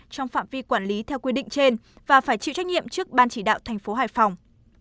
trong phạm vi quản lý theo quy định trên và phải chịu trách nhiệm trước ban chỉ đạo thành phố hải phòng